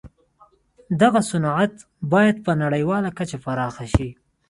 دغه صنعت بايد په نړيواله کچه پراخ شي.